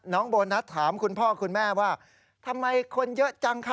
โบนัสถามคุณพ่อคุณแม่ว่าทำไมคนเยอะจังคะ